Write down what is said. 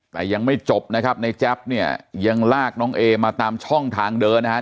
แต่ยังไม่จบนะครับในแจ๊บเนี่ยยังลากน้องเอมาตามช่องทางเดินนะครับ